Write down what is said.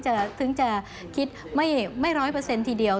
จึงจะคิดไม่๑๐๐ทีเดียว